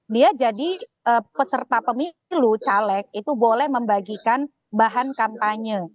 dia jadi peserta pemilu caleg itu boleh membagikan bahan kampanye